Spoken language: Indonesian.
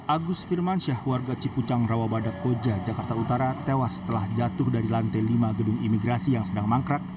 agus firmansyah warga cipucang rawabadak koja jakarta utara tewas setelah jatuh dari lantai lima gedung imigrasi yang sedang mangkrak